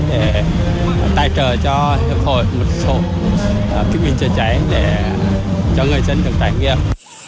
để tài trợ cho hợp hội một số kỹ năng chữa cháy để cho người dân được trải nghiệm